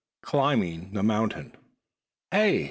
CLIMBING THE MOUNTAIN. "HEY!